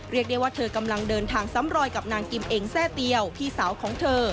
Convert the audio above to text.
เรียกได้ว่าเธอกำลังเดินทางซ้ำรอยกับนางกิมเองแทร่เตียวพี่สาวของเธอ